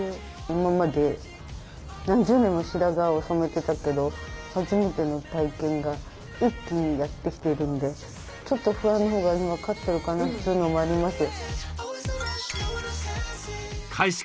今まで何十年も白髪を染めてたけど初めての体験が一気にやって来ているんでちょっと不安のほうが今は勝ってるかなというのもあります。